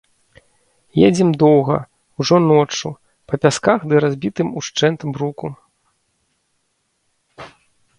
Едзем доўга, ужо ноччу, па пясках ды разбітым ушчэнт бруку.